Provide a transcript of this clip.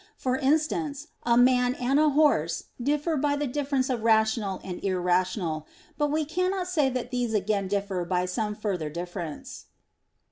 For instance, a man and a horse differ by the difference of rational and irrational; but we cannot say that these again differ by some further difference.